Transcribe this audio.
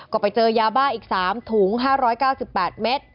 ก็ไปเจอยาบ้าอีก๓ถุง๕๙๘เมตร